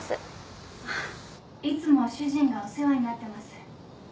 ・いつも主人がお世話になってます。